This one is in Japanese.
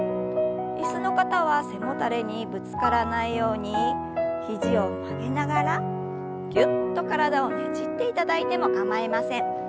椅子の方は背もたれにぶつからないように肘を曲げながらぎゅっと体をねじっていただいても構いません。